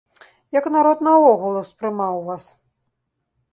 Як народ наогул успрымаў вас?